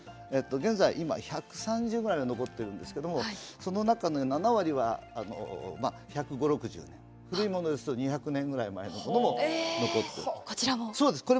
現在、１３０ぐらい残ってるんですけどその中の７割は１５０１６０年前古いものですと２００年ぐらい前のものも残っております。